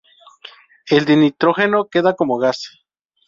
El dinitrógeno queda como gas.